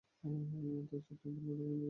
তার ছোট ভাই ঢাকা মেডিকেল কলেজে পড়ে।